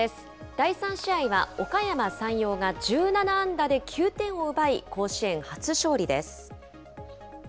第３試合はおかやま山陽が１７安打で９点を奪い、甲子園初勝利です。